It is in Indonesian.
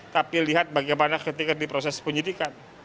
tapi lihat bagaimana ketika diproses penyidikan